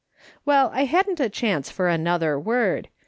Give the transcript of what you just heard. " Well, I hadn't a chance for another word.